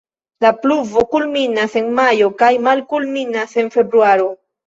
La pluvo kulminas en majo kaj malkulminas en februaro.